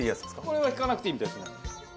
これは引かなくていいみたいですね。